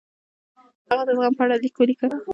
هغه د زغم په اړه لیک ولیکه.